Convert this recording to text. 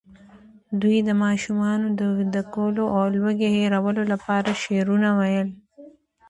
دوی د ماشومانو د ویده کولو او لوږې هېرولو لپاره شعرونه ویل.